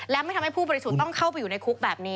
และไม่ทำให้ผู้บริสุทธิ์ต้องเข้าไปอยู่ในคุกแบบนี้